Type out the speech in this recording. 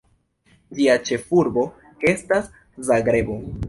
Ĝia ĉefurbo estas Zagrebo.